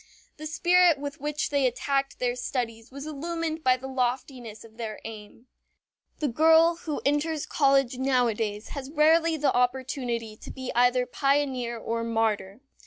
The spirit with which they attacked their studies was illumined by the loftiness of their aim. The girl who enters college nowadays has rarely the opportunity to be either pioneer or martyr.